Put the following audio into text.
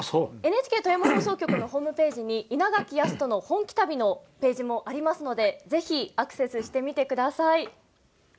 ＮＨＫ富山放送局のホームページに「イナガキヤストの本気旅」のホームページもありますのでアクセスしてみてください。